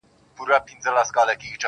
• چي د حق پړی یې غاړي ته زیندۍ کړ -